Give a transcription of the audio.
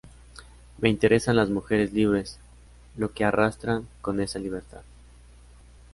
Me interesan las mujeres libres, lo que arrastran con esa libertad.